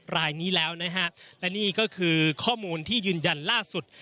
รายนี้แล้วนะฮะและนี่ก็คือข้อมูลที่ยืนยันล่าสุด